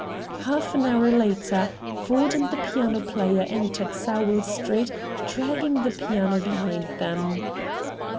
Half an hour later, Ford and the piano player entered Sowell Street dragging the piano behind them.